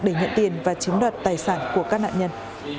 để nhận tiền và chiếm đoạt tài sản của các nạn nhân